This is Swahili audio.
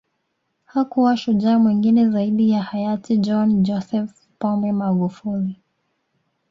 Hakuwa shujaa mwingine zaidi ya hayati John Joseph Pombe Magufuli